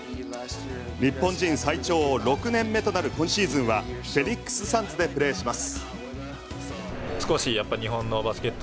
日本人最長６年目となる今シーズンはフェニックス・サンズでプレーします。